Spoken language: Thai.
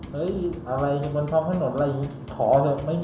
เฮ้ยอะไรกันบนท่องถนนอะไรอย่างงี้